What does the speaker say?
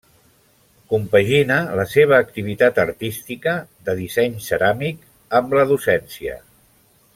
Compagina la seva activitat artística, de disseny ceràmic, amb la docència.